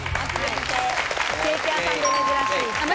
ケーキ屋さんで珍しい期間